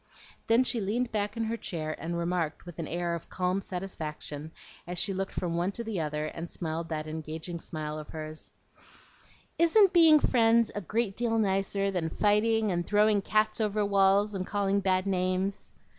Then she leaned back in her chair and remarked with an air of calm satisfaction, as she looked from one to the other, and smiled that engaging smile of hers, "Isn't being friends a great deal nicer than fighting and throwing cats over walls and calling bad names?"